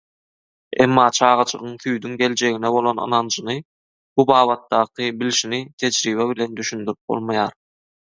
Emma çagajygyň süýdüň geljegine bolan ynanjyny, bu babatdaky bilişini tejribe bilen düşündirip bolmaýar.